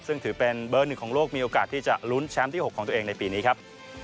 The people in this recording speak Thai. ซึ่งถือเป็นเบอร์หนึ่งของโลกมีโอกาสที่จะลุ้นแชมป์ที่๖ของตัวเองในปีนี้ครับ